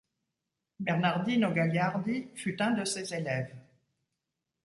Bernardino Gagliardi fut un de ses élèves.